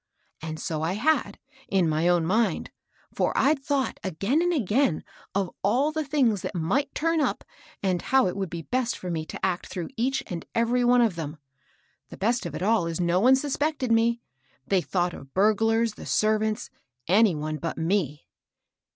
And so I had, in my own mind ; for I'd thought, again and again, of all the things that might turn up, and how it would be best for me to act through each and every one of them. The best of it all is no one suspected me. They thoi\ght of burglars, the servants, any one but me."